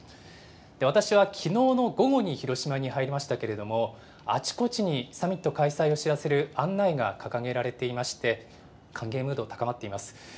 私はきのうの午後に広島に入りましたけれども、あちこちにサミット開催を知らせる案内が掲げられていまして、歓迎ムード高まっています。